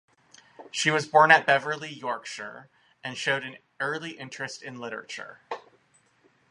She was born at Beverley, Yorkshire, and showed an early interest in literature.